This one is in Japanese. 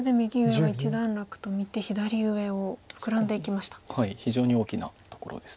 はい非常に大きなところです。